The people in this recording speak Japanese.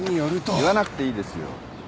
言わなくていいですよ。